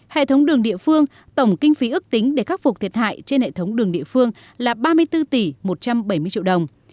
hệ thống đường địa phương tổng kinh phí ước tính để khắc phục thiệt hại trên hệ thống đường địa phương là ba mươi bốn tỷ một trăm bảy mươi triệu đồng